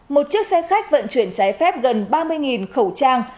một chiếc xe khách vận chuyển trái phép gần ba mươi khẩu trang